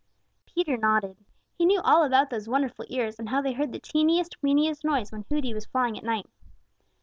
Peter nodded. He knew all about those wonderful ears and how they heard the teeniest, weeniest noise when Hooty was flying at night.